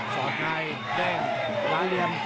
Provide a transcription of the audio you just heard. สอบไหนแด้งหลังเหลี่ยม